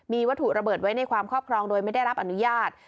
มีวัตถุระเบิดไว้ในความครอบครองโดยไม่ได้รับอนุญาต